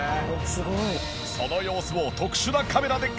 その様子を特殊なカメラで確認。